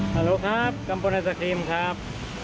ฮาโลครับกัมพลไอศครีมครับ